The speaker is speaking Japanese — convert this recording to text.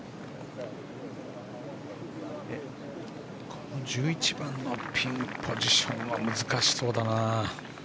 この１１番のピンポジションは難しそうだな。